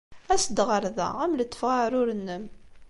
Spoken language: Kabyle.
As-d ɣer da. Ad am-letfeɣ aɛrur-nnem.